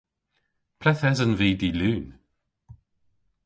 Ple'th esen vy dy'Lun?